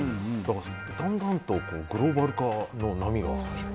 だんだんとグローバル化の波が。